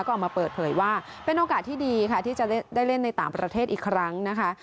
ก็ออกมาเปิดเผยว่าเป็นโอกาสที่ดีค่ะที่จะได้เล่นในต่างประเทศอีกครั้งนะคะ